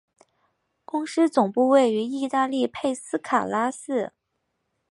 公司总部位于意大利佩斯卡拉市。